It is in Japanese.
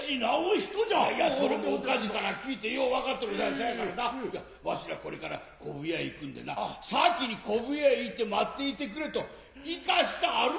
そやからなわしらこれから昆布屋行くんでな先に昆布屋行て待っていてくれと行かしてあるがなええ。